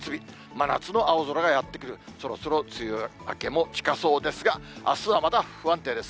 真夏の青空がやって来る、そろそろ梅雨明けも近そうですが、あすはまだ不安定です。